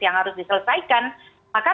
yang harus diselesaikan maka